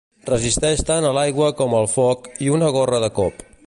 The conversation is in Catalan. Resisteix tant a l'aigua com al foc, i una gorra de cop.